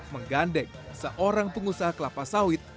menggandeng seorang pengusaha kelapa sawit